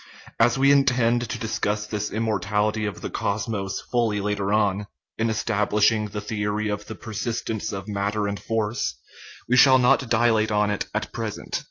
As we intend to discuss this immor tality of the cosmos fully later on, in establishing the theory of the persistence of matter and force, we shall not dilate on it at present.